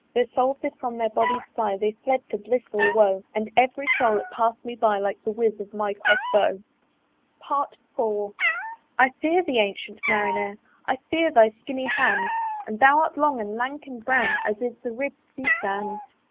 Their souls did from their bodies fly, They fled to bliss or woe; And every soul it pass'd me by, Like the whiz of my Cross bow. IV. "I fear thee, ancyent Marinere! "I fear thy skinny hand; "And thou art long and lank and brown "As is the ribb'd Sea sand.